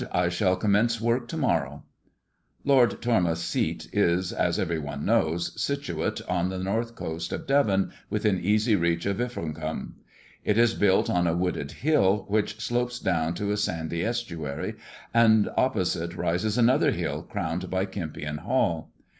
I shall commence work to morrow." Lord Tormouth's seat is, as every one knows, situate on the north coast of Devon, within easy reach of Ilfracombe. It is built on a wooded hill which slopes down to a sandy estuary, and opposite rises another hill crowned by Kempion Hall.